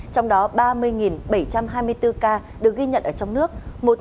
trong đó ba mươi bảy trăm hai mươi bốn ca được ghi nhận ở trong nước